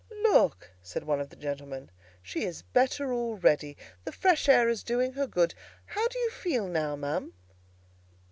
"Look!" said one of the gentlemen, "she is better already. The fresh air is doing her good. How do you feel now, ma'am?"